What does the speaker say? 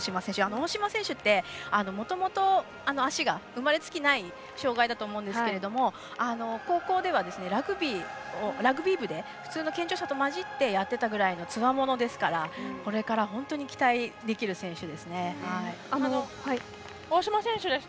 大島選手ってもともと、足が生まれつきない障がいだと思うんですけど高校ではラグビー部で普通の健常者と交じってやっていたというつわものですからこれから、本当に期待できる選手です。